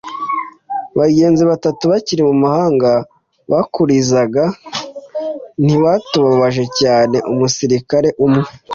bagenzi batatu bakiri mumahanga kurizinga ntibatubabaje cyane; umusirikare umwe